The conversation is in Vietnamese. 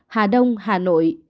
hà đông hà nội